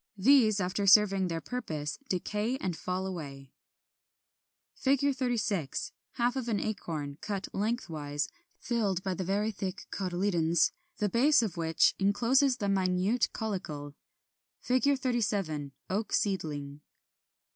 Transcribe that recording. These, after serving their purpose, decay and fall away. [Illustration: Fig. 36. Half of an acorn, cut lengthwise, filled by the very thick cotyledons, the base of which encloses the minute caulicle. 37. Oak seedling.